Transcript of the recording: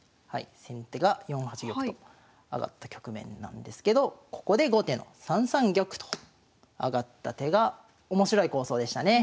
先手が４八玉と上がった局面なんですけどここで後手の３三玉と上がった手が面白い構想でしたね。